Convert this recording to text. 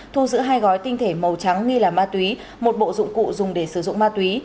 thu giữ hai gói tinh thể màu trắng nghi là ma túy một bộ dụng cụ dùng để sử dụng ma túy